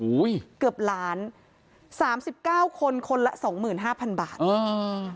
เกือบล้านสามสิบเก้าคนคนละสองหมื่นห้าพันบาทอืม